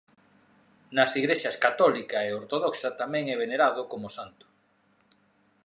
Nas Igrexas católica e ortodoxa tamén é venerado como santo.